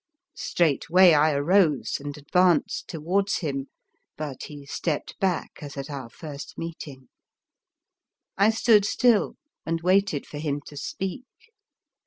Straightway I arose and ad vanced towards him, but he stepped back as at our first meeting. I stood still and waited for him to speak.